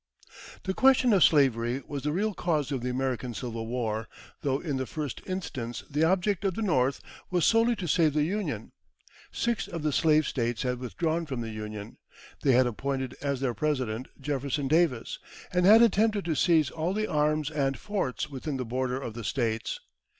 The question of slavery was the real cause of the American Civil War, though in the first instance the object of the North was solely to save the Union. Six of the slave States had withdrawn from the Union. They had appointed as their President Jefferson Davis, and had attempted to seize all the arms and forts within the border of the States.